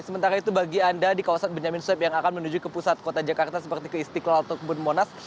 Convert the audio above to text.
sementara itu bagi anda di kawasan benyamin sueb yang akan menuju ke pusat kota jakarta seperti ke istiqlal atau kebun monas